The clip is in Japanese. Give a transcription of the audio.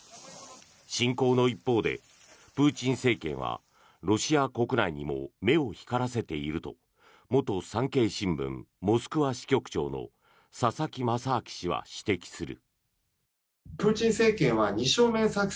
侵攻の一方で、プーチン政権はロシア国内にも目を光らせていると元産経新聞モスクワ支局長の佐々木正明氏は指摘する。